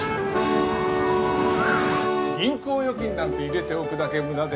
銀行預金なんて入れておくだけ無駄でね。